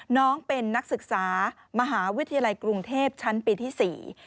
น้องเป็นนักศึกษามหาวิทยาลัยกรุงเทพชั้นปีที่สี่